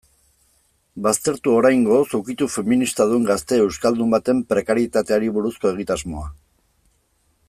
Baztertu, oraingoz, ukitu feministadun gazte euskaldun baten prekarietateari buruzko egitasmoa.